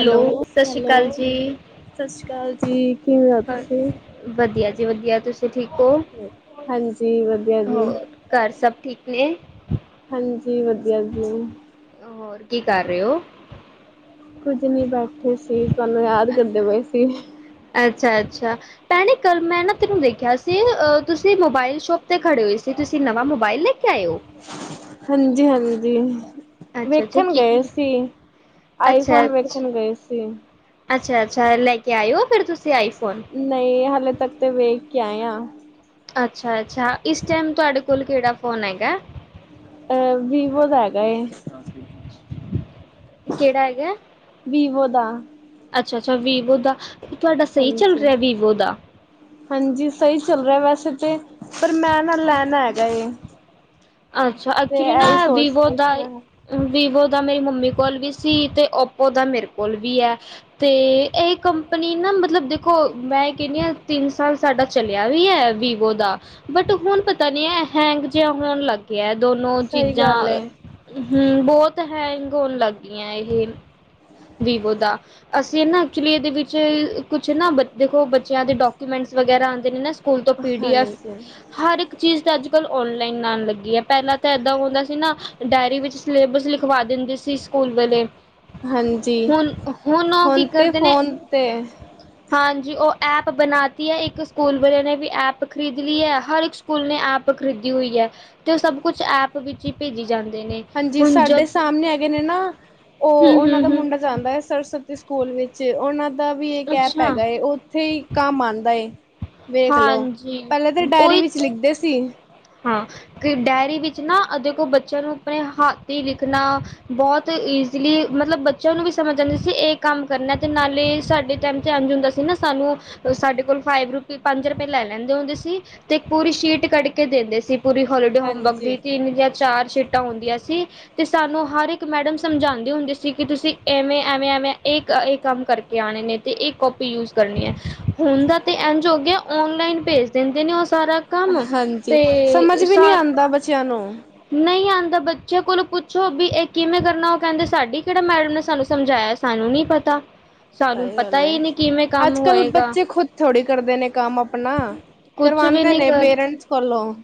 Hello, ਸਤਿ ਸ਼੍ਰੀ hello, ਅਕਾਲ ਜੀ ਸਤਿ ਸ੍ਰੀ ਅਕਾਲ ਜੀ ਕੀ ਹੋਇਆ ਹੋਰ ਤੁਸੀਂ। ਵਧੀਆ ਜੀ ਵਧੀਆ, ਤੁਸੀਂ ਠੀਕ ਹੋ ਹਾਂਜੀ ਵਧੀਆ ਜੀ ਹੋਰ। ਘਰ ਸਭ ਠੀਕ ਨੇ। ਹਾਂਜੀ ਵਧੀਆ ਜੀ। ਹੋਰ ਕੀ ਕਰ ਰਹੇ ਹੋ। ਕੁੱਝ ਨੀ ਬੈਠੇ ਸੀ, ਤੁਹਾਨੂੰ ਯਾਦ ਕਰਦੇ ਪਏ ਸੀ। ਅੱਛਾ, ਅੱਛਾ। ਭੈਣੇ ਕੱਲ ਮੈਂ ਨਾ ਤੈਨੂੰ ਦੇਖਿਆ ਸੀ ਤੁਸੀਂ ਮੋਬਾਇਲ ਸ਼ੋਪ ਤੇ ਖੜੇ ਹੋਏ ਸੀ, ਤੁਸੀਂ ਨਵਾਂ ਮੋਬਾਇਲ ਲਿਆ। ਇਓ। [unintelligible] ਹਾਂਜੀ, ਹਾਂਜੀ। ਅੱਛਾ ਅੱਛਾ ਵੇਖਣ ਕੀ ਗਏ ਸੀ, ਅੱਛਾ ਆਈਫੋਨ ਅੱਛਾ ਵੇਖਣ ਗਏ ਸੀ। ਅੱਛਾ, ਅੱਛਾ ਲੈ ਕੇ ਆਏ ਹੋ, ਫਿਰ ਤੁਸੀਂ ਆਈਫੋਨ। ਨਹੀਂ ਹਾਲੇ ਤੱਕ ਤੇ ਵੇਖ ਕੇ ਆਏ ਹਾਂ। ਅੱਛਾ, ਅੱਛਾ ਇਸ ਟਾਈਮ ਤੁਹਾਡੇ ਕੋਲ ਕਿਹੜਾ ਫੋਨ ਹੈਗਾ। ਅ ਵੀਵੋ ਦਾ ਹੈਗਾ ਲੈਪਟ ਏ ਟ੍ਰਾਂਸਲੇਸ਼ਨਸ਼ਨ। ਕਿਹੜਾ ਹੈਗਾ, ਵੀਵੋ ਦਾ ਅੱਛਾ- ਅੱਛਾ ਵੀਵੋ ਦਾ। ਤੁਹਾਡਾ ਸਹੀ ਚੱਲ ਹਾਂਜੀ ਰਿਹਾ ਵੀਵੋ ਦਾ। ਹਾਂਜੀ ਸਹੀ ਚੱਲ ਰਿਹਾ ਵੈਸੇ ਤੇ, ਪਰ ਮੈਂ ਨਾ ਲੈਣਾ ਹੈਗਾ। ਅੱਛਾ, ਤੇ ਐਕਚੁਲੀ ਇਹੀ ਨਾ ਸੋਚ ਵੀਵੋ ਰਹੀ ਸੀ ਦਾ ਏ ਮੈਂ ਵੀਵੋ ਦਾ ਮੇਰੀ ਮੰਮੀ ਕੋਲ ਵੀ ਸੀ ਤੇ ਓਪੋ ਦਾ ਮੇਰੇ ਕੋਲ ਵੀ ਹੈ। ਤੇ ਇਹ ਕੰਪਨੀ ਨਾ ਮਤਲਬ ਦੇਖੋ, ਮੈਂ ਕਹਿੰਦੀ ਹਾਂ ਤਿੰਨ ਸਾਲ। ਸਾਡਾ ਚਲਿਆ ਵੀ ਹੈ ਵੀਵੋ ਦਾ। ਬਟ ਹੁਣ ਪਤਾ ਨੀ ਹੈ ਹੈਂਗ ਜਿਹਾ ਹੋਣ ਲੱਗ ਗਿਆ ਦੋਨੋ ਸਹੀ ਚੀਜ਼ਾਂ। ਗੱਲ ਏ ਹਮ ਬਹੁਤ ਹੈਂਗ ਹੋਣ ਲੱਗ ਗਈਆਂ ਇਹ, ਵੀਵੋ ਦਾ। ਅਸੀਂ ਨਾ ਐਕਚੁਲੀ ਇਹਦੇ ਵਿੱਚ, ਕੁਛ ਨਾ ਬ ਦੇਖੋ ਬੱਚਿਆਂ ਦੇ ਡਾਕੂਮੈਂਟਸ ਵਗੈਰਾ ਆਉਂਦੇ ਨੇ ਨਾ ਸਕੂਲ ਤੋਂ ਪੀ ਡੀ ਐਫ, ਹਾਂਜੀ, ਹਰ ਇੱਕ ਚੀਜ਼ ਦਾ ਅੱਜ ਕੱਲ੍ਹ ਔਨਲਾਈਨ ਆਉਣ ਲੱਗੀ ਹੈ ਪਹਿਲਾਂ ਤਾਂ ਏਦਾਂ ਹੁੰਦਾ ਸੀ ਨਾ, ਡਾਇਰੀ ਵਿੱਚ ਸਿਲੇਬਸ ਲਿਖਵਾ ਦਿੰਦੇ ਸੀ ਸਕੂਲ ਵਾਲੇ ਹਾਂਜੀ ਹੁਣ, ਹੁਣ ਉਹ ਕੀ ਤੇ ਕਰਦੇ ਨੇ ਫੋਨ ਤੇ ਹਾਂਜੀ ਉਹ ਐਪ ਬਣਾਤੀ ਹੈ ਇੱਕ ਸਕੂਲ ਵਾਲੇ ਨੇ ਵੀ ਐਪ ਖਰੀਦ ਲੀ ਹੈ ਹਰ ਇੱਕ ਸਕੂਲ ਨੇ ਐਪ ਖਰੀਦੀ ਹੋਈ ਹੈ, ਤੇ ਉਹ ਸਭ ਕੁਛ ਐਪ ਵਿੱਚ ਹੀ ਭੇਜੀ ਜਾਂਦੇ ਨੇ ਹਾਂਜੀ ਹੁਣ ਸਾਡੇ ਜਦ ਸਾਹਮਣੇ ਹੈਗੇ ਨੇ ਨਾ, ਉਹ ਹਮ ਉਹਨਾਂ ਦਾ ਹਮ ਹਮ ਮੁੰਡਾ ਜਾਂਦਾ ਹੈ ਸਰਸਵਤੀ ਸਕੂਲ ਵਿੱਚ, ਉਹਨਾਂ ਦਾ ਵੀ ਇਹ ਐਪ ਅੱਛਾ ਹੈਗਾ ਹੈ ਉੱਥੇ ਹੀ ਕੰਮ ਆਉਂਦਾ ਏ, ਵੇਖ ਲਓ, ਹਾਂਜੀ ਪਹਿਲੇ ਤਾਂ ਡਾਇਰੀ ਉਹੀ ਵਿੱਚ ਲਿਖਦੇ ਸੀ ਹਾਂ, ਕਿ ਡਾਇਰੀ ਵਿੱਚ ਨਾ ਦੇਖੋ ਬੱਚਿਆਂ ਨੂੰ ਆਪਣੇ ਹੱਥੀਂ ਲਿਖਣਾ ਬਹੁਤ ਈਜ਼ੀਲੀ, ਮਤਲਬ ਬੱਚਿਆਂ ਨੂੰ ਵੀ ਸਮਝ ਆਉਂਦੀ ਸੀ, ਇਹ ਕੰਮ ਕਰਨਾ ਤੇ ਨਾਲੇ ਸਾਡੇ ਟਾਈਮ ਤੇ ਇੰਜ ਹੁੰਦਾ ਸੀ। ਨਾ ਸਾਨੂੰ, ਸਾਡੇ ਕੋਲ ਫਾਈਵ ਰੁਪ ਪੰਜ ਰੁਪਏ ਲੈ ਲੈਂਦੇ ਹੁੰਦੇ ਸੀ, ਤੇ ਪੂਰੀ ਸ਼ੀਟ ਕੱਢ ਕੇ। ਕੇ ਦਿੰਦੇ ਸੀ, ਪੂਰੀ ਹੋਲੀਡੇ ਹੋਮਵਰਕ ਹਾਂਜੀ, ਦੀ ਤਿੰਨ ਜਾਂ ਚਾਰ ਸੀਟਾਂ ਹੁੰਦੀਆਂ ਸੀ। ਤੇ ਸਾਨੂੰ ਹਰ ਇੱਕ ਮੈਡਮ ਸਮਝਾਉਂਦੇ ਹੁੰਦੇ ਸੀ, ਕਿ ਤੁਸੀਂ ਐਵੇਂ, ਐਵੇਂ, ਐਵੇਂ ਕੰਮ ਕਰ। ਆਣੇ ਨੇ ਤੇ ਇਹ ਕਾਪੀ ਯੂਜ ਕਰਨੀ ਹੈ, ਹੁਣ ਦਾ ਤੇ ਇੰਝ ਹੋ ਗਿਆ ਔਨਲਾਈਨ ਭੇਜ ਦਿੰਦੇ ਨੇ ਉਹ ਸਾਰਾ। ਕੰਮ। ਹਾਂਜੀ ਸਮਝ ਤੇ ਵੀ ਨੀ ਸਾਰ ਆਂਦਾ ਬੱਚਿਆਂ ਨੂੰ। ਨਹੀਂ ਆਂਦਾ ਬੱਚੇ ਕੋਲੋਂ ਪੁੱਛੋ ਵੀ ਇਹ ਕਿਵੇਂ ਕਰਨਾ ਉਹ ਕਹਿੰਦੇ ਸਾਡੀ ਕਿਹੜਾ ਮੈਡਮ ਨੇ ਸਾਨੂੰ ਸਮਝਾਇਆ। ਸਾਨੂੰ ਨੀ ਪਤਾ ਸਾਨੂੰ ਸਹੀ ਪਤਾ ਗੱਲ ਹੀ ਹੈ ਨਹੀਂ ਕਿ ਅੱਜ ਕੱਲ੍ਹ ਬੱਚੇ ਖੁੱਦ ਥੋੜ੍ਹੀ ਕਰਦੇ ਨੇ ਕੰਮ ਆਪਣਾ‌। ਕੁਛ ਵੀ ਕਰਵਾਂਦੇ ਨਹੀਂ ਨੇ ਕਰ ਪੇਰੈਂਟਸ ਕੋਲੋਂ।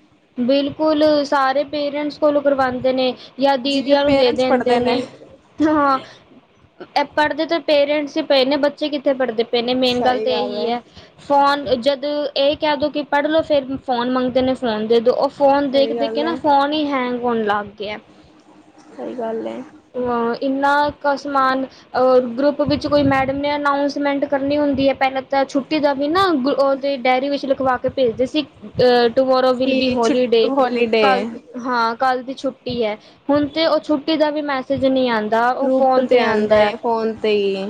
ਬਿਲਕੁਲ ਸਾਰੇ ਪੇਰੈਂਟਸ ਕੋਲੋਂ ਕਰਵਾਂਦੇ ਨੇ। ਜਾਂ ਜਿਵੇਂ ਦੀਦੀਆਂ ਨੂੰ ਦੇ ਪੇਰੈਂਟਸ ਦਿੰਦੇ ਪੜ੍ਹਦੇ ਨੇ। ਹਾਂ ਇਹ ਪੜ੍ਹਦੇ ਤਾਂ ਪੇਰੈਂਟਸ ਹੀ ਪਏ ਨੇ ਬੱਚੇ ਕਿੱਥੇ ਪੜ੍ਹਦੇ [unintelligible] ਮੇਨ ਗੱਲ ਸਹੀ ਤਾਂ ਇਹੀ ਹੈ ਐ। ਫੋਨ ਜਦੋਂ ਇਹ ਕਹਿ ਦੋ ਕਿ ਪੜ੍ਹ ਲੋ ਫੇਰ ਫੋਨ ਮੰਗਦੇ ਨੇ ਫੋਨ ਦੇ ਦੋ। ਫੋਨ ਦੇਖ ਸਹੀ ਦੇਖ ਕੇ ਗੱਲ ਨਾ ਹੈ ਫੋਨ ਹੀ ਹੈਂਗ ਹੋਣ ਲੱਗ ਗਿਆ। ਸਹੀ ਗੱਲ ਹੈ ਇੰਨਾ ਕੁ ਸਾਮਾਨ ਰ ਗਰੁੱਪ ਵਿੱਚ ਕੋਈ ਮੈਡਮ ਨੇ ਅਨਾਊਸਮੈਂਟ ਕਰਨੀ ਹੁੰਦੀ ਐ ਪਹਿਲਾਂ ਤਾਂ ਛੁੱਟੀ ਦਾ ਵੀ ਨਾ ਓ, ਡੇਰੀ ਵਿੱਚ ਲਿਖਵਾ ਕੇ ਭੇਜਦੇ ਸੀ ਟੋਮਰੋ ਵਿਲ ਵੀ ਕਿ ਛੁ ਹੋਲੀਡੇ ਹੋਲੀਡੇ ਕੱਲ ਹਾਂ, ਕੱਲ੍ਹ ਦੀ ਛੁੱਟੀ ਐ ਹੁਣ ਤੇ ਉਹ ਛੁੱਟੀ ਦਾ ਵੀ ਮੈ ਸਜ ਨਹੀਂ ਆਂਦਾ ਉਹ ਗਰੁੱਪ ਫੋਨ ਤੇ ਆਉਂਦਾ ਆਂਦਾ ਹੈ ਫੋਨ ਤੇ ਹੀ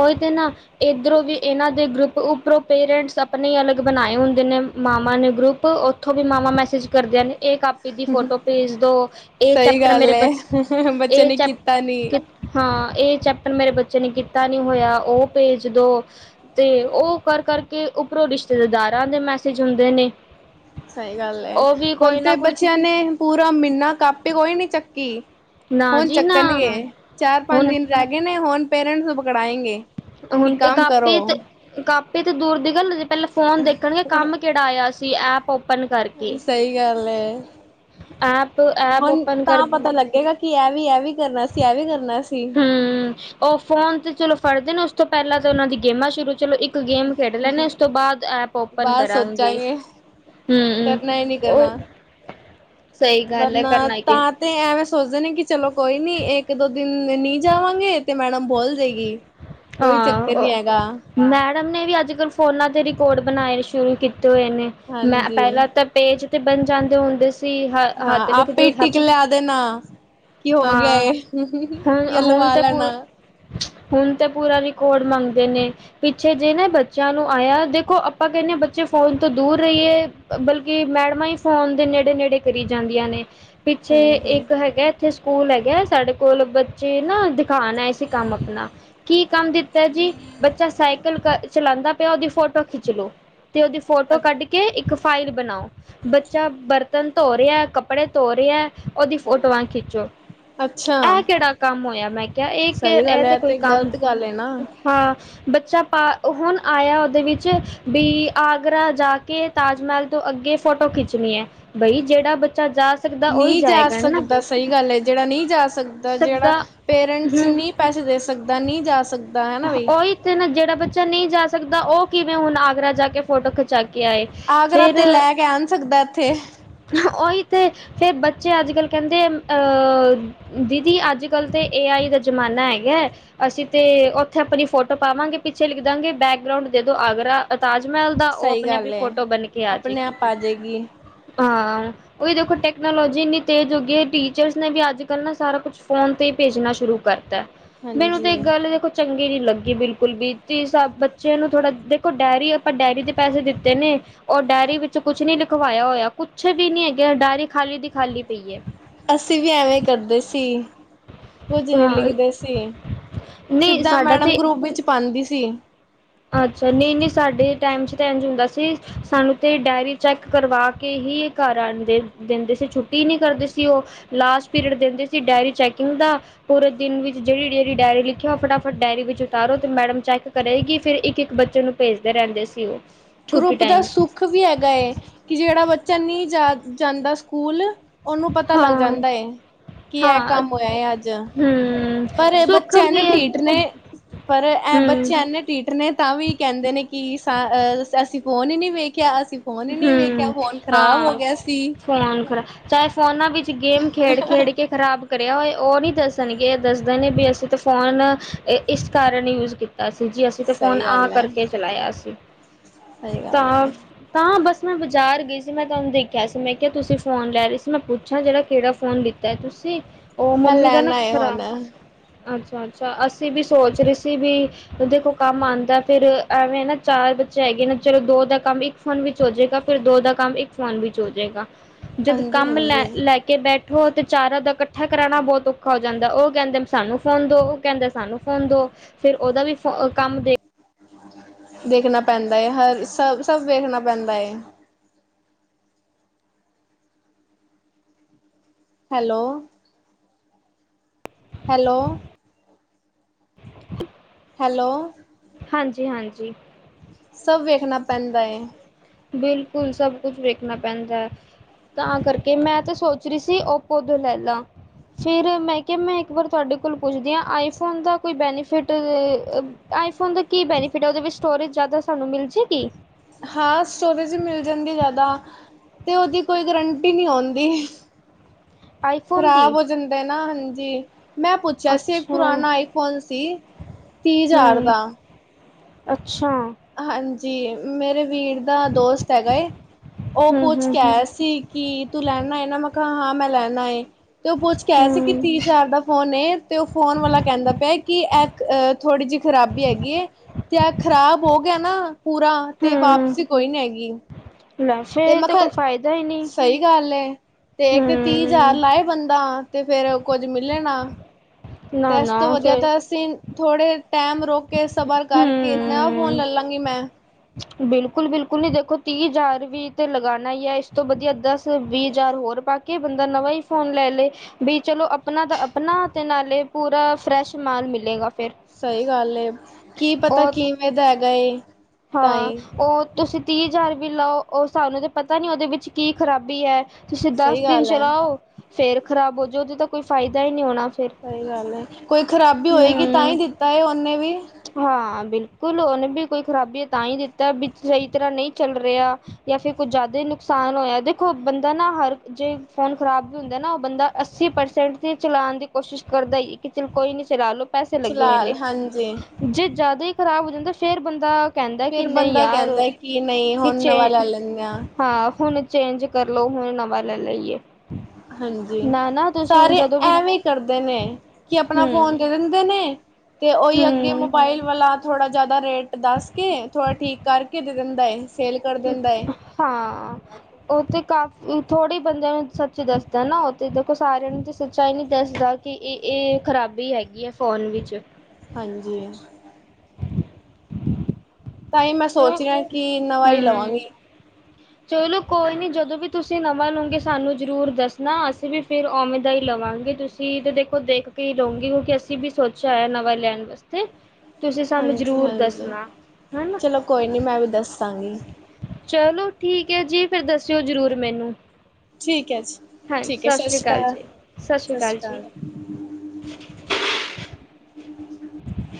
ਓਹੀ ਤੇ ਨਾ ਇਧਰੋਂ ਵੀ ਇਹਨਾਂ ਦੇ ਗਰੁੱਪ ਉਪਰੋਂ ਪੇਰੈਂਟਸ ਆਪਣੇ ਅਲੱਗ ਬਣਾਏ ਹੁੰਦੇ ਨੇ ਮਾਮਾ ਨੇ ਗਰੁੱਪ ਉ ਉੱਥੋਂ ਵੀ ਮਾਵਾਂ ਮੈਸੇਜ ਕਰਦੀਆਂ ਨੇ ਇਹ ਦੀ ਫੋਟੋ ਭੇਜ ਦੋ ਇਹ ਸਹੀ ਚੈਪਟਰ ਗੱਲ ਮੇਰੇ ਹੈ ਬੱਚੇ ਇਹ ਨੇ ਚੈਪ ਕੀਤਾ ਨੀ ਹਾਂ ਇਹ ਚੈਪਟਰ ਮੇਰੇ ਬੱਚੇ ਨੇ ਕੀਤਾ ਨੀ ਹੋਇਆ ਉਹ ਭੇਜ ਦੋ। ਤੇ ਉਹ ਕਰ ਕਰਕੇ ਉਪਰੋਂ ਰਿਸ਼ਤੇਦਾਰਾਂ ਦੇ ਮੈਸੇਜ ਹੁੰਦੇ ਨੇ। ਸਹੀ ਗੱਲ ਉਹ ਵੀ ਹੁਣ ਕੋਈ ਨਾ ਤੇ ਕੋਈ ਬੱਚਿਆਂ ਨੇ ਪੂਰਾ ਮਹੀਨਾ ਕਾਪੀ ਕੋਈ ਨੀ ਚੱਕੀ। ਨਾ ਹੁਣ ਜੀ ਨਾ ਚੱਕਣਗੇ ਚਾਰ ਪੰਜ ਹੁਣ ਦਿਨ ਰਹਿ ਗਏ ਨੇ ਹੁਣ ਪੇਰੈਂਟਸ ਪਕੜਾਏ ਗੇ। ਹੁਣ ਕਾਪੀ ਤੇ ਕਾਪੀ ਤੇ ਦੂਰ ਦੀ ਗੱਲ ਜੇ ਪਹਿਲਾਂ ਫੋਨ ਦੇਖਣਗੇ ਕੰਮ ਕਿਹੜਾ ਆਇਆ ਸੀ ਐਪ ਓਪਨ ਕਰਕੇ ਸਹੀ ਗੱਲ ਹੈ ਐਪ ਐਪ ਹੁਣ ਓਪਨ ਕਰ। ਤਾਂ ਪਤਾ ਲੱਗੇਗਾ ਕਿ ਐ ਵੀ ਇਹ ਵੀ ਕਰਨਾ ਸੀ ਐ ਵੀ ਕਰਨਾ ਸੀ। ਹੂੰ, ਉਹ ਫੋਨ ਤੇ ਚਲੋ ਫੜਦੇ ਨੇ ਉਸ ਤੋਂ ਪਹਿਲਾਂ ਤਾਂ ਉਹਨਾਂ ਦੀ ਗੇਮਾਂ ਸ਼ੁਰੂ ਚਲੋ ਇੱਕ ਇੱਕ ਗੇਮ ਖੇਡ ਲੈਂਦੇ ਉਸ ਤੋਂ ਬਾਅਦ ਐਪ ਓਪਨ ਬਾਅਦ ਕਰਾਂਗੇ। ਸੋਚਾਂਗੇ ਹੂੰ, ਕਰਨਾ ਹੀ ਨਹੀਂ ਕਰਨਾ ਉਹ ਸਹੀ ਗੱਲ ਹੈ ਵਰਨਾ ਕਰਨਾ ਕਿ ਤਾਂ ਤੇ ਐਵੇਂ ਸੋਚਦੇ ਨੇ ਕਿ ਚਲੋ ਕੋਈ ਨੀ ਇੱਕ ਦੋ ਦਿਨ ਨਹੀਂ ਜਾਵਾਂਗੇ ਤੇ ਮੈਡਮ ਬੋਲ ਦੇਗੀ। ਕੋਈ ਚੱਕਰ ਹਾਂ, ਨੀ ਹੈਗਾ ਮੈਡਮ ਨੇ ਵੀ ਅੱਜ ਕੱਲ੍ਹ ਫੋਨਾਂ ਦੇ ਰਿਕਾਰਡ ਬਣਾਏ ਸ਼ੁਰੂ ਕੀਤੇ ਹੋਏ ਨੇ ਮੈਂ ਹਾਂਜੀ ਪਹਿਲਾਂ ਤਾਂ ਪੇਜ ਤੇ ਬਣ ਜਾਂਦੇ ਹੁੰਦੇ ਸੀ ਹ ਹਾਂ ਹੱਥ ਲਿੱਖ, ਆਪੇ ਹੀ ਟਿਕ ਲਿਆ ਦੇਣਾ ਕੀ ਹੋ ਗਿਆ ਹਾਂ, ਏ ਹੁਣ ਯਾ ਹੁਣ ਲਵਾ ਤੇ ਪ ਲੈਣਾ ਹੁਣ ਤੇ ਪੂਰਾ ਰਿਕਾਰਡ ਮੰਗਦੇ ਨੇ। ਪਿੱਛੇ ਜੇ ਨਾ ਬੱਚਿਆਂ ਨੂੰ ਆਇਆ ਦੇਖੋ ਆਪਾਂ ਕਹਿੰਦੇ ਹਾਂ ਬੱਚੇ ਫੋਨ ਤੋਂ ਦੂਰ ਰਹੀਏ। ਬਲਕਿ ਮੈਡਮਾਂ ਹੀ ਫੋਨ ਦੇ ਨੇੜੇ ਨੇੜੇ ਕਰੀ ਜਾਂਦੀਆਂ ਨੇ। ਪਿੱਛੇ ਹਾਂਜੀ ਇੱਕ ਹੈਗਾ ਇੱਥੇ ਸਕੂਲ ਹੈਗਾ ਸਾਡੇ ਕੋਲ ਬੱਚੇ ਨਾ। ਸਿਖਾਣਾ ਅਸੀਂ ਕੰਮ ਆਪਣਾ ਕੀ ਕੰਮ ਦਿੱਤਾ ਜੀ ਬੱਚਾ ਸਾਈਕਲ ਚਲਾਂਦਾ ਉਹਦੀ ਫੋਟੋ ਖਿੱਚ ਲੋ ਤੇ ਉਹਦੀ ਫੋਟੋ ਅ ਕੱਢ ਕੇ ਇੱਕ ਫਾਈਲ ਬਣਾਓ ਬੱਚਾ ਵਰਤ ਬਰਤਨ ਧੋ ਰਿਹਾ, ਕੱਪੜੇ ਧੋ ਰਿਹਾ, ਉਹਦੀ ਫੋਟੋਆਂ ਖਿੱਚੋ। ਅੱਛਾ ਇਹ ਕਿਹੜਾ ਕੰਮ ਹੋਇਆ ਮੈਂ ਕਿਹਾ ਇਹ ਸਹੀ ਇਹ ਗੱਲ ਤੇ ਹੈ ਕੋਈ ਕੰਮ ਗ਼ਲਤ ਗੱਲ ਹੈ ਨਾ। ਹਾਂ, ਬੱਚਾ ਪਾ ਹੁਣ ਆਇਆ ਉਹਦੇ ਵਿੱਚ ਵੀ ਆਗਰਾ ਜਾ ਕੇ ਤਾਜ ਮਹਿਲ ਤੋਂ ਅੱਗੇ ਫੋਟੋ ਖਿੱਚਣੀ ਐ ਬਈ ਜਿਹੜਾ ਬੱਚਾ ਜਾ ਸਕਦਾ ਉਹੀ ਨਹੀਂ ਜਾ ਜਾਏਗਾ ਨਾ ਸਕਦਾ ਸਹੀ ਗੱਲ ਐ ਜਿਹੜਾ ਨਹੀਂ ਜਾ ਸਕਦਾ ਜਿਹੜਾ ਪੇਰੈਂਟਸ ਹਮ ਨਹੀਂ ਪੈਸੇ ਦੇ ਸਕਦਾ ਨਹੀਂ ਜਾ ਸਕਦਾ ਹਨਾ ਬਈ। ਉਹੀ ਨਾ ਜਿਹੜਾ ਬੱਚਾ ਨਹੀਂ ਜਾ ਸਕਦਾ ਉਹ ਕਿਵੇਂ ਹੁਣ ਆਗਰਾ ਜਾ ਕੇ ਫੋਟੋ ਖਿੱਚ ਚਾ ਕੇ ਆਏ ਆਗਰਾ ਫਿਰ, ਤੇ ਲੈ ਕੇ ਆਣ ਸਕਦਾ ਇੱਥੇ ਔਹੀ ਤੇ ਫਿਰ ਬੱਚੇ ਅੱਜ-ਕੱਲ੍ਹ ਕਹਿੰਦੇ ਅ ਦੀਦੀ ਅੱਜ-ਕੱਲ੍ਹ ਤੇ ਏ ਆਈ ਦਾ ਜ਼ਮਾਨਾ ਹੈਗਾ ਹੈ। ਅਸੀਂ ਤੇ ਉੱਥੇ ਆਪਣੀ ਫੋਟੋ ਪਾਵਾਂਗੇ, ਪਿੱਛੇ ਲਿਖ ਦਾਂਗੇ, ਬੈਕਗਰਾਉਂਡ ਜਦੋਂ ਆਗਰਾ ਤਾਜ-ਮਹਿਲ ਦਾ ਉਹ ਸਹੀ ਆਪਣੇ ਆਪਣੀ ਗੱਲ ਏ ਫੋਟੋ ਬਣ ਕੇ ਆ ਜੇ ਆਪਣੇ ਗੀ ਆਪ ਆ ਜਾਏਗੀ ਹਾਂ। ਉ ਵੀ ਦੇਖੋ ਟੈਕਨੋਲੋਜੀ ਇੰਨੀ ਤੇਜ਼ ਹੋ ਗਈ ਹੈ, ਟੀਚਰ ਨੇ ਵੀ ਅੱਜ-ਕੱਲ੍ਹ ਨਾ ਸਾਰਾ ਕੁਛ ਫੋਨ ਤੇ ਹੀ ਭੇਜਣਾ ਸ਼ੁਰੂ ਕਰਤਾ ਮੈਨੂੰ ਹਾਂਜੀ ਤਾਂ ਇੱਕ ਗੱਲ ਦੇਖੋ। ਚੰਗੀ ਨਹੀਂ ਲੱਗੀ ਬਿਲਕੁਲ ਵੀ, ਤੁ ਸ ਬੱਚਿਆਂ ਨੂੰ ਥੋੜ੍ਹਾ ਦੇਖੋ, ਡਾਇਅਰੀ ਆਪਾਂ ਡਾਇਅਰੀ ਦੇ ਪੈਸੇ ਦਿੱਤੇ ਨੇ। ਉਹ ਡਾਇਅਰੀ ਵਿੱਚ ਕੁਛ ਨਹੀਂ ਲਿਖਵਾਇਆ ਹੋਇਆ। ਕੁਛ ਵੀ ਨੀ ਹੈਗੇ, ਡੇਅਰੀ ਖਾਲੀ ਦੀ ਖਾਲੀ ਪਈ ਹੈ। ਅਸੀਂ ਵੀ ਐਵੇਂ ਕਰਦੇ ਸੀ ਕੁੱਝ ਨਹੀਂ ਹਾਂ ਲਿਖਦੇ ਸੀ, ਨਹੀਂ ਸਿੱਧਾ ਸਾਡਾ ਮੈਡਮ ਤੇ ਗਰੂਪ ਵਿੱਚ ਪਾਦੀ ਸੀ। ਅੱਛਾ ਨਹੀਂ-ਨਹੀਂ ਸਾਡੇ ਟਾਈਮ 'ਚ ਤਾਂ ਇੰਝ ਹੁੰਦਾ ਸੀ, ਸਾਨੂੰ ਤਾਂ ਡਾਇਰੀ ਚੈੱਕ ਕਰਵਾ ਕੇ ਹੀ ਘਰ ਆਦੇ ਦਿੰਦੇ ਸੀ, ਛੁੱਟੀ ਨਹੀਂ ਕਰਦੇ ਸੀ, ਉਹ ਲਾਸਟ ਪੀਰੀਅਡ ਦਿੰਦੇ ਸੀ ਡਾਇਰੀ ਚੈਕਿੰਗ ਦਾ ਪੂਰੇ ਦਿਨ ਵਿੱਚ ਜਿਹੜੀ-ਜਿਹੜੀ ਡਾਇਰੀ ਲਿਖਿਆਓ ਉਹ ਫਟਾ-ਫਟ ਡਾਇਅਰੀ ਵਿੱਚ ਉਤਾਰੋ ਤੇ ਮੈਡਮ ਚੈੱਕ ਕਰੇਗੀ। ਫਿਰ ਇੱਕ-ਇੱਕ ਬੱਚੇ ਨੂੰ ਭੇਜਦੇ ਰਹਿੰਦੇ ਸੀ, ਉਹ ਛੁੱਟੀ ਗਰੁੱਪ ਦਾ ਟਾਈਮ ਸੁੱਖ ਵੀ ਹੈਗਾ, ਕਿ ਜਿਹੜਾ ਬੱਚਾ ਨਹੀਂ ਜਾ ਜਾਂਦਾ, ਸਕੂਲ ਉਹਨੂੰ ਪਤਾ ਲੱਗ ਹਾਂ ਜਾਂਦਾ ਏ, ਕੀ ਇਹ ਹਾਂ ਕੰਮ ਹੋਇਆ ਅੱਜ, ਹੂੰ ਪਰ ਸੁੱਖ ਬੱਚੇ ਨੇ ਵੀ ਢੀਠ ਨੇ ਪਰ ਇਹ ਹੂੰ ਬੱਚਿਆਂ ਨੇ ਢੀਠ ਨੇ ਤਾਂ ਵੀ ਕਹਿੰਦੇ ਨੇ, ਕਿ ਅ ਅਸੀਂ ਫੋਨ ਹੀ ਨਹੀਂ ਵੇਖਿਆ ਅਸੀਂ ਫੋਨ ਨਹੀਂ ਵੇਖਿਆ, ਹੂੰ ਫੋਨ ਖ਼ਰਾਬ ਹੋ ਹਾਂ ਗਿਆ ਸੀ। ਫੋਨ ਖਰਾ, ਚਾਹੇ ਫੋਨਾਂ ਵਿੱਚ ਗੇਮ ਖੇਡ-ਖੇਡ ਕੇ, ਖਰਾਬ ਕਰਿਆ ਹੋਏ, ਉਹ ਨਹੀਂ ਦੱਸਣਗੇ ਦੱਸਦੇ ਨੇ ਵੀ ਅਸੀਂ ਤਾਂ ਫੋਨ ਇਸ ਕਾਰਨ ਯੂਜ ਕੀਤਾ। ਕੀਤਾ ਸੀ ਜੀ, ਅਸੀਂ ਤੇ ਫੋਨ ਸਹੀ ਆ ਗੱਲ ਹੈ ਕਰਕੇ ਚਲਾਇਆ ਸੀ ਸਹੀ ਗੱਲ ਤਾਂ। ਹੈ ਤਾਂ ਬਸ ਮੈਂ ਬਾਜ਼ਾਰ ਗਈ ਸੀ, ਮੈਂ ਤੁਹਾਨੂੰ ਦੇਖਿਆ ਸੀ, ਮੈਂ ਕਿਹਾ ਤੁਸੀਂ ਫੋਨ ਲੈ ਰਹੇ ਸੀ ਮੈਂ ਪੁੱਛਾਂ ਜਿਹੜਾ ਕਿਹੜਾ ਫੋਨ ਦਿੱਤਾ। ਤੁਸੀਂ ਉਹ ਮੈਂ ਮੰਮੀ ਦਾ ਨਾ ਲੈਣਾ ਹੈ ਖਰਾ ਹੁਣ ਅੱਛਾ-ਅੱਛਾ, ਅਸੀਂ ਵੀ ਸੋਚ ਰਹੇ ਸੀ ਵੀ। ਦੇਖੋ ਕੰਮ ਆਦਾ ਫਿਰ ਐਵੇਂ, ਨਾ ਚਾਰ ਬੱਚੇ ਹੈਗੇ ਨੇ ਚਲੋ ਦੋ ਦਾ ਕੰਮ ਇੱਕ ਫੋਨ ਵਿੱਚ ਹੋ ਜਾਏਗਾ, ਫਿਰ ਦੋ ਦਾ ਕੰਮ ਇੱਕ ਫੋਨ ਵਿੱਚ ਹੋ ਜਾਏਗਾ, ਜਦ ਹਾਂਜੀ ਕੰਮ ਲੈ ਹਾਂਜੀ ਲੈ ਕੇ ਬੈਠੋ ਤੇ ਚਾਰਾ ਦਾ ਇਕੱਠਾ ਕਰਾਣਾ ਬਹੁਤ ਔਖਾ ਹੋ ਜਾਂਦਾ, ਉਹ ਕਹਿੰਦੇ ਸਾਨੂੰ ਫੋਨ ਦੋ ਉਹ ਕਹਿੰਦੇ ਸਾਨੂੰ ਫੋਨ ਦੋ ਫੇਰ ਉਹਦਾ ਵੀ ਕੰਮ ਦੇ ਦੇਖਣਾ ਪੈਂਦਾ ਹੈ, ਹਰ ਸਭ-ਸਭ ਦੇੇਖਣਾ ਪੈਂਦਾ ਹੈ। ਹੈਲੋ, ਹੈਲੋ, ਹੈਲੋ, ਹਾਂਜੀ-ਹਾਂਜੀ, ਸਭ ਵੇਖਣਾ ਪੈਂਦਾ ਐ। ਬਿਲਕੁਲ, ਸਭ ਕੁਛ ਵੇਖਣਾ ਪੈਂਦਾ। ਤਾਂ ਕਰਕੇ ਮੈਂ ਤਾਂ ਸੋਚ ਰੀ ਸੀ ਓਪੋ ਦੋਂ ਲੈ ਲਾ। ਫਿਰ ਮੈਂ ਕਿਹ, ਮੈਂ ਇੱਕ ਵਾਰ ਤੁਹਾਡੇ ਕੋਲ ਪੁੱਛਦੀ ਆਂ, ਆਈਫੋਨ ਦਾ ਕੋਈ ਬੈਨੀਫਿਟ ਅ ਆਈਫੋਨ ਦਾ ਕੀ ਬੈਨੀਫਿਟ ਹੈ, ਔਦੇ ਵਿੱਚ ਸਟੋਰੇਜ ਯਾਦਾ ਸਾਨੂੰ ਮਿਲ ਜੇ ਗੀ। ਹਾਂ, ਸਟੋਰੇਜ ਵੀ ਮਿਲ ਜਾਂਦੀ ਏ ਯਾਦਾ। ਤੇ ਔਦੀ ਕੋਈ ਗਰੰਟੀ ਨੀ ਹੁੰਦੀ। ਆਈਫੋਨ ਖ਼ਰਾਬ ਦੀ ਹੋ ਜਾਂਦੇ ਨਾ ਹਾਜੀ। ਮੈਂ ਪੁੱਛਿਆ ਸੀ, ਇੱਕ ਅੱਛਾ ਪੁਰਾਣਾ ਆਈਫੋਨ ਸੀ ਤੀਹ ਹਜ਼ਾਰ ਹੂੰ ਦਾ। ਅੱਛਾ, ਹਾਂਜੀ ਮੇਰੇ ਵੀਰ ਦਾ ਦੋਸਤ ਹੈਗਾ ਏ, ਉਹ ਹੂੰ ਪੁੱਛ ਹੂੰ ਕੇ ਹੂੰ ਆਇਆ ਸੀ। ਕਿ ਤੂੰ ਲੈਣਾ ਹੈ, ਨਾ ਮੈ ਕਿਹਾ ਹਾਂ ਮੈਂ ਲੈਣਾ ਐ। ਤੇ ਉਹ ਪੁੱਛ ਕੇ ਆਇਆ ਸੀ, ਕਿ ਹੂੰ ਤੀਹ ਚਾਰ ਦਾ ਫੋਨ ਏ ਤੇ ਉਹ ਫੋਨ ਵਾਲਾ ਕਹਿੰਦਾ ਪਿਆ। ਕਿ ਇੱਕ ਥੋੜ੍ਹੀ ਜਿਹੀ ਖ਼ਰਾਬੀ ਹੈਗੀ ਹੈ, ਤੇ ਖਰਾਬ ਹੋ ਗਿਆ ਨਾ ਪੂਰਾ ਤੇ ਹੂੰ ਵਾਪਸੀ ਕੋਈ ਨੀ ਹੈਗੀ। [inaudible] ਤੇ ਮੈਂ ਤਾਂ ਕਿਹਾ, ਕੋਈ ਫਾਇਦਾ ਹੀ ਨਹੀਂ ਸਹੀ ਗੱਲ ਤੇ ਤੇ ਤੀਹ ਹਜ਼ਾਰ ਹੂੰ ਲਾਏ ਬੰਦਾ ਤੇ ਫੇਰ ਕੁੱਝ ਮਿਲਣਾ, ਤੇ ਨਾ ਇਸ ਤੋਂ ਨਾ ਵਧੀਆ ਫਿਰ ਤਾਂ ਅਸੀਂ ਥੋੜੇ ਟਾਈਮ ਰੁਕ ਕੇ, ਸਬਰ ਕਰਕੇ, ਨਵਾ ਫੋਨ ਹੂੰ ਲੈ ਲਵਾਂਗੀ ਮੈਂ ਬਿਲਕੁਲ- ਬਿਲਕੁਲ ਨੀ ਦੇਖੋ ਤੀਹ ਹਜ਼ਾਰ ਵੀ ਤੇ ਲਗਾਉਣਾ ਹੀ ਹੈ ਇਸ ਤੋਂ ਵਧੀਆ ਦਸ ਤ ਵੀਹ ਹਜ਼ਾਰ ਹੋਰ ਪਾ ਕੇ ਬੰਦਾ ਨਵਾਂ ਹੀ ਫੋਨ ਲੈ ਲਏ। ਬਈ ਚਲੋ ਅਪਣਾ ਦਾ ਅਪਣਾ, ਤੇ ਨਾਲੇ ਪੂਰਾ ਫਰੈਸ਼ ਮਾਲ ਮਿਲੇਗਾ। ਫਿਰ ਸਹੀ ਗੱਲ ਏ, ਕੀ ਪਤਾ ਉਹ ਕਿਵੇਂ ਦਾ ਹੈਗਾ ਏ। ਹਾਂ, ਤਾਂਹੀ। ਓਹ ਤੁਸੀਂ ਤੀਹ ਹਜ਼ਾਰ ਵੀ ਲਾਓ, ਓਹ ਸਾਨੂੰ ਤੇ ਪਤਾ ਨੀ ਉਹਦੇ ਵਿੱਚ ਕੀ ਖਰਾਬੀ ਹੈ। ਤੁਸੀਂ ਦਸ ਸਹੀ ਦਿਨ ਗੱਲ ਹੈ, ਚਲਾਓ, ਫੇਰ ਖ਼ਰਾਬ ਹੋ ਜਾਓ ਉਦੇ ਤਾਂ ਕੋਈ ਫਾਇਦਾ ਹੀ ਨੀ ਹੋਣਾ। ਫਿਰ ਸਹੀ ਗੱਲ ਏ, ਕੋਈ ਖਰਾਬੀ ਹੋਏਗੀ ਤਾਂਹੀ ਹਮ ਦਿੱਤਾ ਏ ਉਹਨੇ ਵੀ। ਹਾਂ, ਬਿਲਕੁਲ ਉਹਨੇ ਬੀ ਕੋਈ ਖਰਾਬੀ ਤਾਂਹੀ ਹੀ ਦਿੱਤਾ ਬੀਚ ਸਹੀ ਤਰ੍ਹਾਂ ਨਹੀਂ ਚੱਲ ਰਿਆ। ਤੇ ਐ ਫੇਰ ਕੁਝ ਜਿਆਦਾ ਈ ਨੁਕਸਾਨ ਹੋਇਆ, ਦੇਖੋ ਬੰਦਾ ਨਾ ਹਰ ਜੇ ਫ਼ੋਨ ਖ਼ਰਾਬ ਵੀ ਹੁੰਦਾ ਨਾ ਓਹ ਬੰਦਾ ਅੱਸੀ ਪ੍ਰਸੈਂਟ 'ਤੇ ਚਲਾਉਣ ਦੀ ਕੋਸ਼ਿਸ਼ ਕਰਦਾ ਈ ਏ ਕਿ ਚਲ ਕੋਈ ਨੀ ਚਲਾ ਲੋ। ਪੈਸੇ ਲੱਗੇ ਹੋਏ ਨੇ, ਚਲਾਲ ਹਾਂਜੀ, ਜੇ ਜਿਆਦਾ ਈ ਖ਼ਰਾਬ ਹੋ ਜਾਂਦਾ ਫੇਰ ਬੰਦਾ ਕਹਿੰਦਾ ਕਿ ਫਿਰ ਨਹੀਂ ਬੰਦਾ ਯਾਰ, ਕਹਿੰਦਾ ਹੈ ਕਿ ਨਹੀਂ ਕਿ ਹੁਣ ਨਵਾਂ ਲੈ ਲੈਂਦੇ ਹਾਂ, ਹੁਣ ਚੇਂਜ ਕਰ ਲੋ ਹੁਣ ਨਵਾਂ ਲੈ ਲਈਏ। ਹਾਂਜੀ। ਨਾ ਨਾ ਤੁਸੀਂ ਹੁਣ ਸਾਰੇ ਜਦੋਂ ਵੀ ਐਵੇਂ ਈ ਕਰਦੇ ਨੇ, ਕਿ ਅਪਣਾ ਹਮ ਫੋਨ ਦੇ ਦਿੰਦੇ ਨੇ। ਤੇ ਓਹੀ ਅੱਗੇ ਹਮ ਮੋਬਾਈਲ ਵਾਲਾ ਥੋੜ੍ਹਾ ਜਿਆਦਾ ਰੇਟ ਦੱਸ ਕੇ ਥੋੜ੍ਹਾ ਠੀਕ ਕਰਕੇ ਦੇ ਦਿੰਦਾ ਏ। ਸੇਲ ਕਰ ਦਿੰਦਾ ਏ। ਹਾਂ। ਉਹਤੇ ਕਾਫੀ ਥੋੜੇ ਬੰਦਿਆਂ ਨੂੰ ਸੱਚ ਦੱਸਦਾ ਨਾ ਓਹਤੇ ਦੇਖੋ ਸਾਰਿਆਂ ਨੂੰ ਤੇ ਸੱਚਾਈ ਨੀ ਦੱਸਦਾ। ਕਿ ਇ-ਇ-ਇਹ ਖਰਾਬੀ ਹੈਗੀ ਹੈ ਫੋਨ ਵਿੱਚ। ਹਾਂਜੀ। ਤਾਈ ਮੈਂ ਚੋ ਸੋਚ ਰਹੀ ਕਿ ਨਵਾ ਈ ਹਮ ਲਵਾਂਗੀ। ਚਲੋ ਕੋਈ ਨੀ ਜਦੋਂ ਵੀ ਤੁਸੀਂ ਨਵਾਂ ਲਉਗੇ, ਸਾਨੂੰ ਜ਼ਰੂਰ ਦੱਸਣਾ ਅਸੀਂ ਵੀ ਫਿਰ ਓਹਵੇਂ ਦਾ ਈ ਲਵਾਂਗੇ। ਤੁਸੀਂ ਚੀਜ ਤੇ ਦੇਖੋ ਦੇਖ ਕੇ ਹੀ ਲਉਗੀ ਕਿਉਂਕਿ ਅਸੀਂ ਵੀ ਸੋਚਿਆ ਹੋਇਆ ਨਵਾਂ ਲੈਂਣ ਵਾਸਤੇ। ਤੁਸੀਂ ਸਾਨੂੰ ਜ਼ਰੂਰ ਹਾਂਜੀ-ਹਾਂਜੀ, ਦੱਸਣਾ ਹੈ ਨਾ। ਚਲੋ ਕੋਈ ਨੀ ਮੈਂ ਵੀ ਦੱਸਾਂਗੀ। ਚਲੋ, ਠੀਕ ਹੈ ਜੀ ਫਿਰ ਦੱਸਿਓ ਜ਼ਰੂਰ ਮੈਨੂੰ। ਠੀਕ ਹੈ ਜੀ, ਹਾਂਜੀ ਠੀਕ ਹੈ, ਸਤਿ ਸ਼੍ਰੀ ਸ੍ਰੀ ਅਕਾਲ, ਜੀ ਸ਼੍ਰੀ ਸਤਿ ਸ੍ਰੀ ਜੀ ਅਕਾਲ। [inaudible]